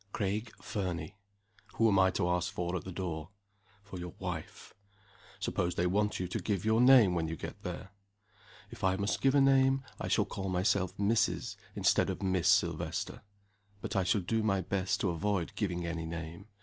"Craig Fernie." "Who am I to ask for at the door?" "For your wife." "Suppose they want you to give your name when you get there?" "If I must give a name, I shall call myself Mrs., instead of Miss, Silvester. But I shall do my best to avoid giving any name.